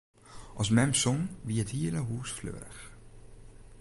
As mem song, wie it hiele hûs fleurich.